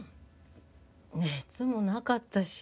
熱もなかったし。